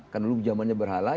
kan dulu zamannya berhala